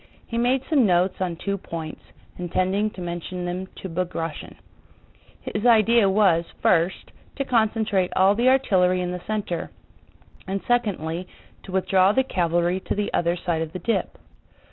He made some notes on two points, intending to mention them to Bagratión. His idea was, first, to concentrate all the artillery in the center, and secondly, to withdraw the cavalry to the other side of the dip.